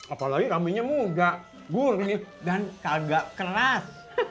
apalagi rambingnya muda gurih dan kagak keras